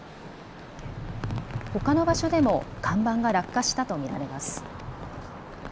ほかの場所でも看板が落下したと見られます。